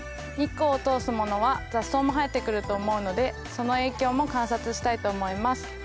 日光を通すものは雑草も生えてくると思うのでその影響も観察したいと思います。